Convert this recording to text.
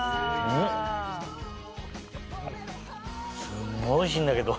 すごいおいしいんだけど。